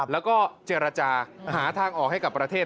แล้วก็เจรจาหาทางออกให้กับประเทศ